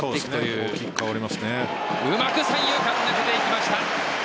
うまく三遊間抜けていきました。